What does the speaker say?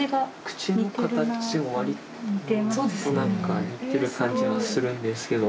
口の形もわりとなんか似てる感じがするんですけど。